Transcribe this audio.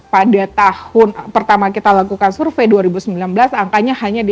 pada tahun pertama kita lakukan survei dua ribu sembilan belas angkanya hanya di